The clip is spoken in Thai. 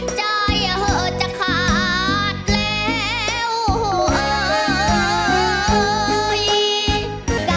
ใจเหอะจะขาดแล้ว